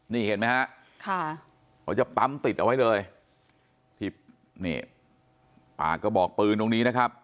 นี่เห็นไหมฮะค่ะเขาจะปั๊มติดเอาไว้เลยที่นี่ปากกระบอกปืนตรงนี้นะครับ